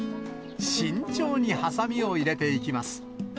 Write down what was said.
慎重にはさみを入れていきます。